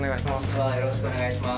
よろしくお願いします。